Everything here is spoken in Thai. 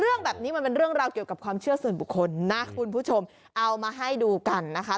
เรื่องแบบนี้มันเป็นเรื่องราวเกี่ยวกับความเชื่อส่วนบุคคลนะคุณผู้ชมเอามาให้ดูกันนะคะ